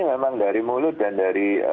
memang dari mulut dan dari